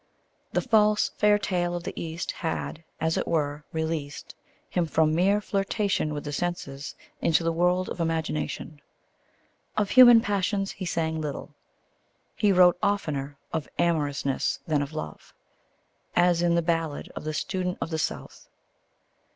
The false, fair tale of the East had, as it were, released; him from mere flirtation with the senses into the world of the imagination. Of human passions he sang little. He wrote oftener of amorousness than of love, as in _The Ballad of the Student of the South.